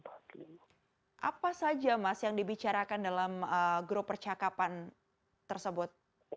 apa saja mas yang dibicarakan dalam grup percakapan tersebut